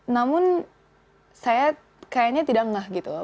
namun saya kayaknya tidak ngah gitu loh